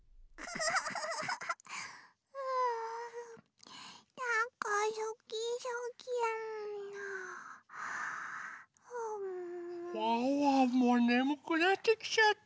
ワンワンもねむくなってきちゃった。